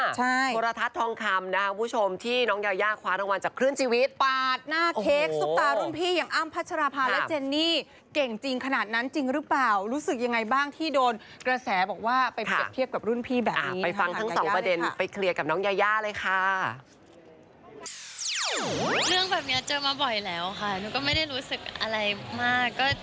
เรื่องแบบนี้เจอมาบ่อยแล้วค่ะหนูก็ไม่ได้รู้สึกอะไรมาก